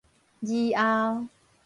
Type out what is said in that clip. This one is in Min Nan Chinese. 而後